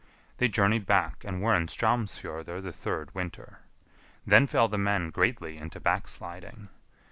They journeyed back, and were in Straumsfjordr the third winter. Then fell the men greatly into backsliding.